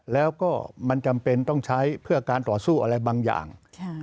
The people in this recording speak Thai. แล้วก็มันจำเป็นต้องใช้เพื่อการต่อสู้อะไรบางอย่าง